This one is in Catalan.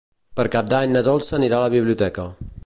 Per Cap d'Any na Dolça anirà a la biblioteca.